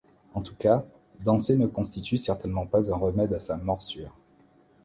En tout cas, danser ne constitue certainement pas un remède à sa morsure.